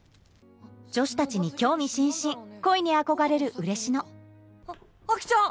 女子たちに興味津々恋に憧れるウレシノアキちゃん